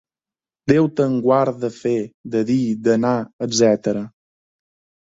Déu te'n reguard de fer, de dir, d'anar, etc.